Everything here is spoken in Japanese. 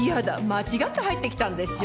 間違って入ってきたんでしょ。